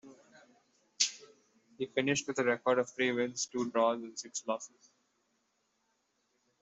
He finished with a record of three wins, two draws, and six losses.